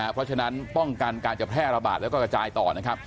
เพราะฉะนั้นป้องกันการจะแพร่ระบาดแล้วก็กระจายต่อนะครับ